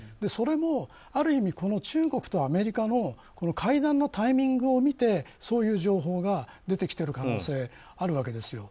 それも、ある意味この中国とアメリカの会談のタイミングを見てそういう情報が出てきている可能性があるわけです。